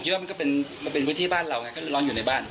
ผมคิดว่าก็เป็นคุณพีที่บ้านเราก็ลองอยู่ในบ้าน